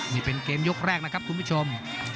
นี่เป็นเกมยกแรกนะครับคุณผู้ชม